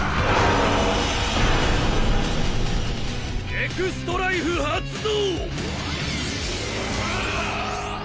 エクストライフ発動！